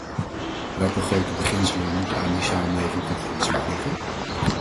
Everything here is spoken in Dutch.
Welke grote beginselen moeten aan die samenleving ten grondslag liggen?